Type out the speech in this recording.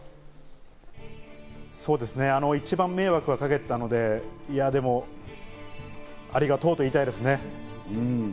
一番迷惑はかけていたので、ありがとうと言いたいですね。